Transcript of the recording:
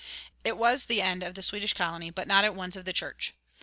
It was the end of the Swedish colony, but not at once of the church.